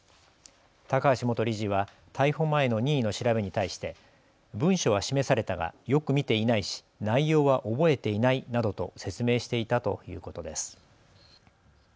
高橋元理事は逮捕前の任意の調べに対して文書は示されたが、よく見ていないし内容は覚えていないなどと説明していたということです。